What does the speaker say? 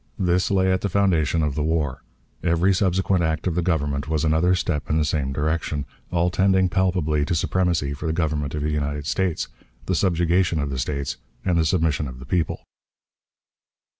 This lay at the foundation of the war. Every subsequent act of the Government was another step in the same direction, all tending palpably to supremacy for the Government of the United States, the subjugation of the States, and the submission of the people.